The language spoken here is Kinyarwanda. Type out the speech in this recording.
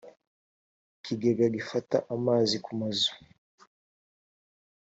ikigega gifata amazi kumazu.